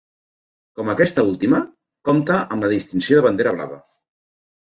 Com aquesta última, compta amb la distinció de Bandera blava.